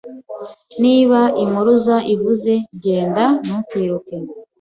Niba impuruza ivuze, genda, ntukiruke.